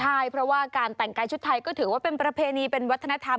ใช่เพราะว่าการแต่งกายชุดไทยก็ถือว่าเป็นประเพณีเป็นวัฒนธรรม